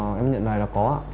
thì em nhận lời là có